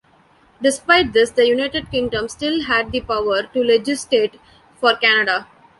Despite this, the United Kingdom still had the power to legislate for Canada.